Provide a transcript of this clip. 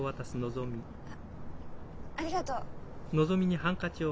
ありがとう。